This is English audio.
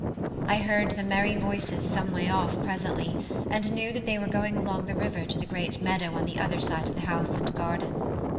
I heard the merry voices some way off presently, and knew that they were going along the river to the great meadow on the other side of the house and garden.